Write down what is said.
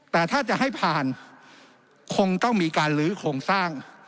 แต่ถ้าจะให้ผ่านคงต้องมีการลื้อโครงสร้าง